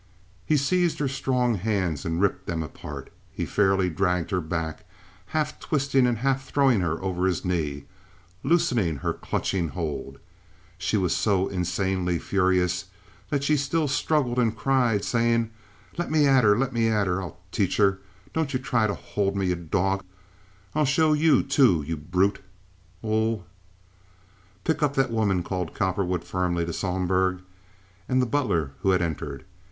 He seized her strong hands and ripped them apart. He fairly dragged her back, half twisting and half throwing her over his knee, loosing her clutching hold. She was so insanely furious that she still struggled and cried, saying: "Let me at her! Let me at her! I'll teach her! Don't you try to hold me, you dog! I'll show you, too, you brute—oh—" "Pick up that woman," called Cowperwood, firmly, to Sohlberg and the butler, who had entered.